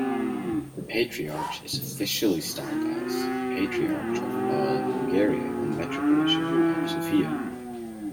The Patriarch is officially styled as "Patriarch of All Bulgaria and Metropolitan of Sofia".